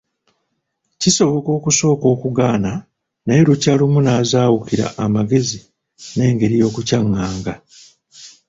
Kisoboka okusooka okugaana, naye lukya lumu n’azaawukirwa amagezi n’engeri y’okukyaŋŋanga.